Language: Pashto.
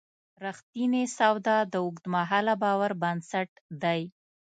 رښتینې سودا د اوږدمهاله باور بنسټ دی.